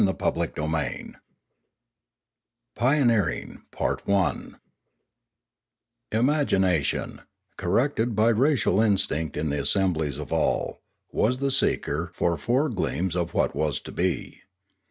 CHAPTER VII PIONEERING IMAGINATION, corrected by racial instinct in the assemblies of all, was the seeker for foregleams of what was to be.